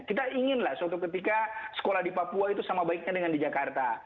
kita inginlah suatu ketika sekolah di papua itu sama baiknya dengan di jakarta